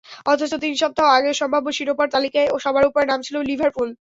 অথচ তিন সপ্তাহ আগেও সম্ভাব্য শিরোপার তালিকায় সবার ওপরে নাম ছিল লিভারপুল।